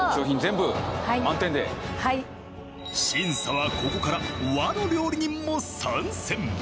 審査はここから和の料理人も参戦。